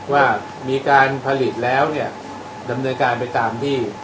ว่ามีการผลิตแล้วเนี่ยดำเนินการไปตามที่